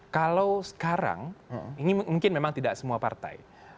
kalau sekarang ini mungkin memang tidak semua partai